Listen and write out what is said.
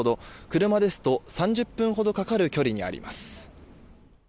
車ですと３０分ほどかかる距離にあります。